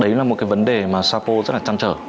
đấy là một cái vấn đề mà sapo rất là chăm chở